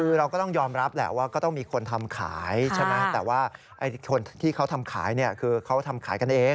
คือเราก็ต้องยอมรับแหละว่าก็ต้องมีคนทำขายใช่ไหมแต่ว่าคนที่เขาทำขายเนี่ยคือเขาทำขายกันเอง